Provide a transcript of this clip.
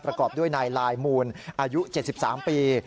ประกอบด้วยนายลายมูลอายุ๗๓ปี